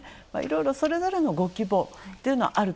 いろいろそれぞれのご希望っていうのはあると。